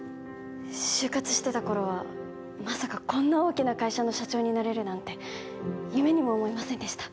就活してた頃はまさかこんな大きな会社の社長になれるなんて夢にも思いませんでした